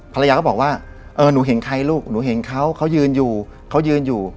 ภรรยาก็บอกว่าหนูเห็นใครลูกหนูเห็นเขาเขายืนอยู่